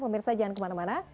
pemirsa jangan kemana mana